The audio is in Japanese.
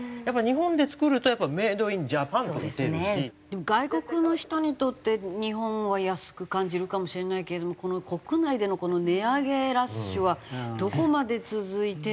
でも外国の人にとって日本は安く感じるかもしれないけれども国内でのこの値上げラッシュはどこまで続いて。